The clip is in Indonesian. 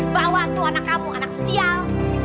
bawa tuh anak kamu anak sial